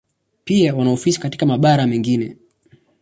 Pia wana ofisi katika mabara mengine.